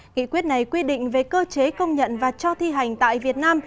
nghị quyết này quy định về cơ chế công nhận và cho thi hành tại việt nam